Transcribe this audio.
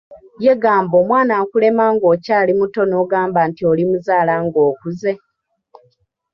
Ye gamba omwana akulema nga okyali muto n'ogamba nti olimuzaala mu nga okuze!